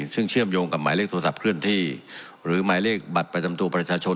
ซึ่งเชื่อมโยงกับหมายเลขโทรศัพท์เคลื่อนที่หรือหมายเลขบัตรประจำตัวประชาชน